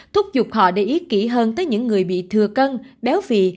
thúc giục họ để ý kỹ hơn tới những người bị thừa cân béo phì